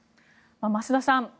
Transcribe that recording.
増田さん。